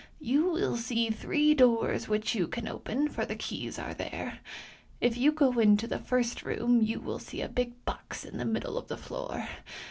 You will see three doors which you can open, for the keys are there. If you go into the first room you will see a big box in the middle of the floor.